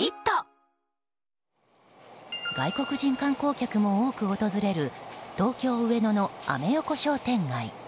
外国人観光客も多く訪れる東京・上野のアメ横商店街。